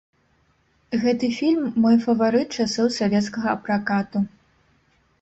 Гэты фільм мой фаварыт часоў савецкага пракату.